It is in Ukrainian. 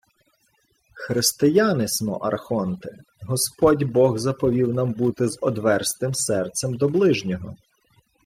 — Християни смо, архонте. Господь бог заповів нам бути з одверзтим серцем до ближнього.